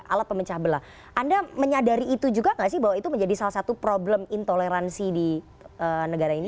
alat pemecah belah anda menyadari itu juga nggak sih bahwa itu menjadi salah satu problem intoleransi di negara ini